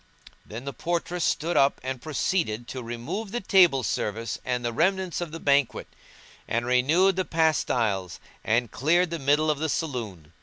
Then the portress stood up and proceeded to remove the table service and the remnants of the banquet; and renewed the pastiles and cleared the middle of the saloon.